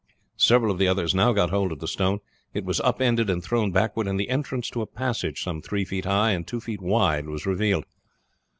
Several of the others now got hold of the stone. It was up ended and thrown backward, and the entrance to a passage some three feet high and two feet wide was revealed.